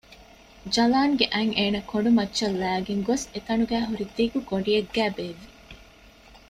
ޖަލާން ގެ އަތް އޭނަ ކޮނޑުމައްޗަށް ލައިގެން ގޮސް އެތަނުގައި ހުރި ދިގު ގޮޑިއެއްގައި ބޭއްވި